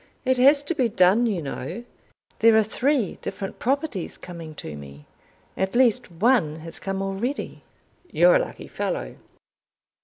It has to be done, you know. There are three different properties coming to me. At least one has come already." "You're a lucky fellow."